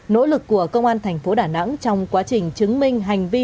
nỗ lực của công an thành phố đà nẵng trong quá trình chứng minh hành vi